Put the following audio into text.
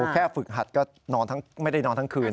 แค่ฝึกหัดก็ไม่ได้นอนทั้งคืน